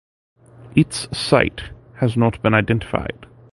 Its site has not been identified.